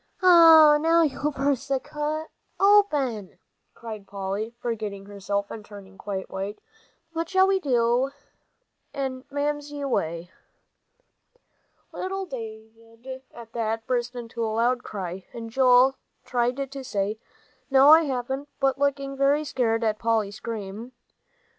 "Oh, now you've burst open the cut," cried Polly, forgetting herself, and turning quite white. "What shall we do, and Mamsie away!" Little David, at that, burst into a loud cry, and Joel tried to say, "No, I haven't," but looking very scared at Polly's scream.